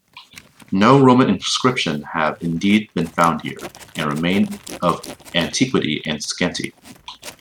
No Roman inscriptions have, indeed, been found here, and remains of antiquity are scanty.